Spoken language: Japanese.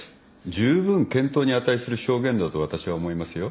じゅうぶん検討に値する証言だと私は思いますよ。